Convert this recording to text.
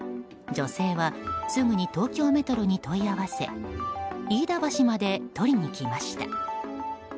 女性はすぐに東京メトロに問い合わせ飯田橋まで取りに来ました。